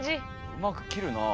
うまく切るなあ。